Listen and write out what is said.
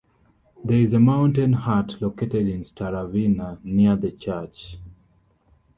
There is a mountain hut located in Staravina, near the church.